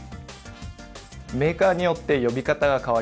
メーカーによって呼び方が変わります。